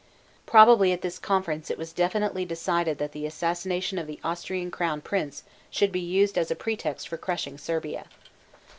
Probably at this conference it was definitely decided that the assassination of the Austrian crown prince should be used as a pretext for crushing Serbia.